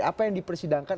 apa yang dipersidangkan